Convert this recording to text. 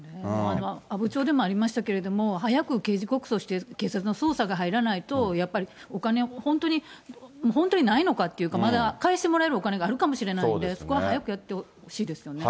阿武町でもありましたけれども、早く刑事告訴して警察の捜査が入らないとやっぱりお金を本当に、本当にないのかっていうか、まだ返してもらえるお金があるかもしれないんで、そこは早くやってほしいですよね。